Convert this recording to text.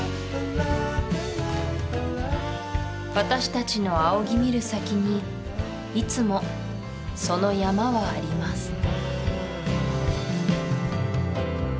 私たちの仰ぎ見る先にいつも「その山」はあります